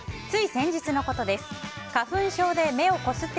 つい先日のことです。